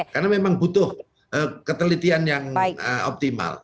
karena memang butuh ketelitian yang optimal